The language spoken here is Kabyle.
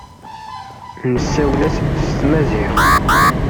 Nessawel s tmaziɣt.